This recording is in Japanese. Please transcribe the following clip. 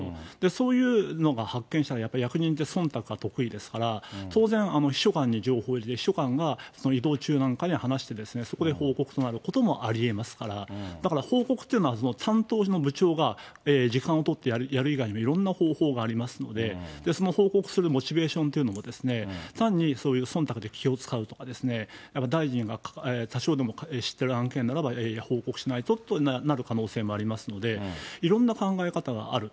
そういうのが発見者はやっぱり役人って、そんたくが得意ですから、当然、秘書官に情報入れて、秘書官が移動中なんかに話して、そこで報告ということもありえますから、だから報告っていうのは、担当の部長が時間を取ってやる以外にも、いろんな方法がありますので、その報告するモチベーションというのも、単にそういうそんたくで気を遣うとかですね、大臣が多少でも知ってる案件なら報告しないととなる可能性がありますので、いろんな考え方がある。